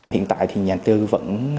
hiện tại thì nhà tư vẫn